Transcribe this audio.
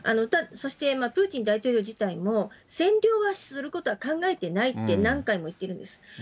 そしてプーチン大統領自体も占領はすることは考えていないって何回も言ってるんです。